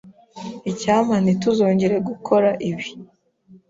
Icyampa ntituzongere gukora ibi.